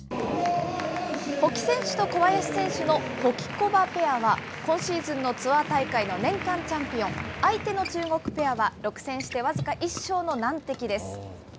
保木選手と小林選手のホキコバペアは今シーズンのツアー大会の年間チャンピオン、相手の中国ペアは６戦して僅か１勝の難敵です。